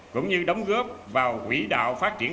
cũng như đóng góp vào quỹ đạo phát triển